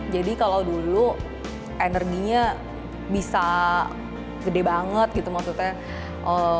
jadi kalau dulu energinya bisa gede banget gitu maksudnya